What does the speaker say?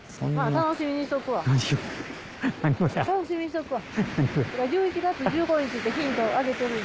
楽しみにしとくわ。